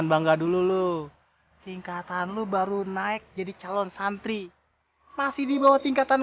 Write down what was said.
tunggu dulu tingkatan lu baru naik jadi calon santri masih dibawa tingkatan